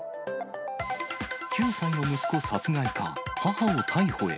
９歳の息子殺害か、母を逮捕へ。